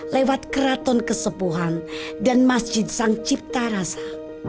lewat keraton kesepuhan dan masjid sang cipta rasa